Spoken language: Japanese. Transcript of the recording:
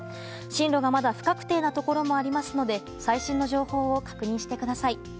進路がまだ不確定なところもありますので最新の情報を確認してください。